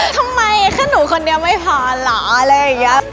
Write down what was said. ทำไมแค่หนูคนเดียวไม่พอเหรออะไรอย่างเงี้ย